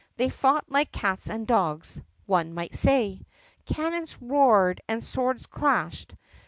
They fought like cats and dogs, one might say. Cannons roared and swords clashed.